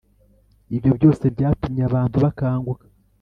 ibyo byose byatumye abantu bakanguka